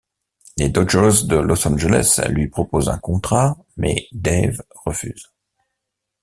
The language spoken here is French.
Les Dodgers de Los Angeles lui proposent un contrat mais Dave refuse.